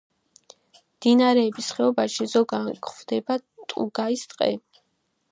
მდინარეების ხეობებში ზოგან გვხვდება ტუგაის ტყე.